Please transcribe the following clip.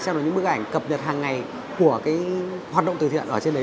xem được những bức ảnh cập nhật hàng ngày của cái hoạt động từ thiện ở trên đấy